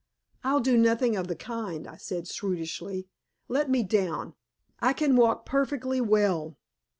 "I'll do nothing of the kind," I said shrewishly. "Let me down; I can walk perfectly well."